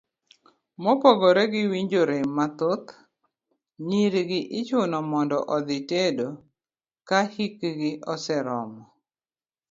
Mopogore gi winjo rem mathoth, nyiri gi ichuno mondo odhi tedo ka hikgi oseromo.